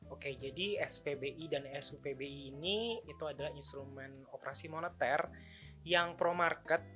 oke jadi spbi dan supbi ini itu adalah instrumen operasi moneter yang pro market